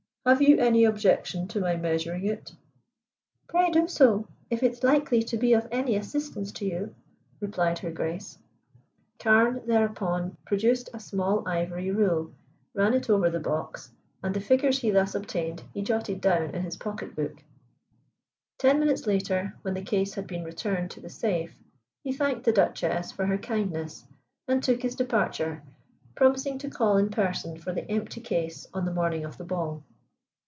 Have you any objection to my measuring it?" "Pray do so, if it's likely to be of any assistance to you," replied Her Grace. Carne thereupon produced a small ivory rule, ran it over the box, and the figures he thus obtained he jotted down in his pocket book. Ten minutes later, when the case had been returned to the safe, he thanked the Duchess for her kindness and took his departure, promising to call in person for the empty case on the morning of the ball.